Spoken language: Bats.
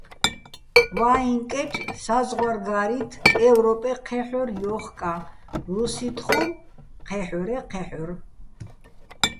ვაჲჼ კეჭ საზღვარგა́რი́თ, ე́ვროპე ჴე́ჰ̦ორ ჲოხკაჼ, რუსი́თ ხუმ ჴე́ჰ̦ორე́ ჴე́ჰ̦ორ.